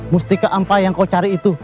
mustika apa yang kau cari itu